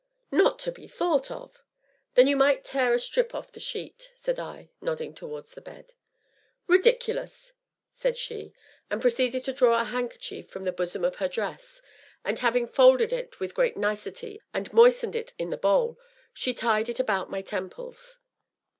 "Not to be thought of!" "Then you might tear a strip off the sheet," said I, nodding towards the bed. "Ridiculous!" said she, and proceeded to draw a handkerchief from the bosom of her dress, and having folded it with great nicety and moistened it in the bowl, she tied it about my temples.